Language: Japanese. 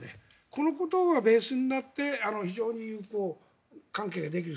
このことがベースになって非常に有効な関係ができる。